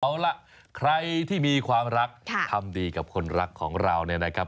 เอาล่ะใครที่มีความรักทำดีกับคนรักของเราเนี่ยนะครับ